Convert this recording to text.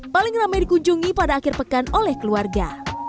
paling ramai dikunjungi pada akhir pekan oleh keluarga